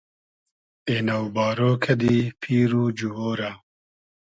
اېنۆ بارۉ کئدی پیر و جووۉ رۂ